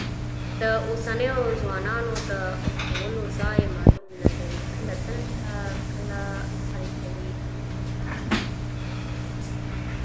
د اوسنیو ځوانانو د غولو ځای معلوم نه دی، کله دلته کله هلته وي.